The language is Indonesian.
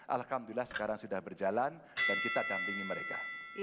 alhamdulillah sekarang sudah berjalan dan kita dampingi mereka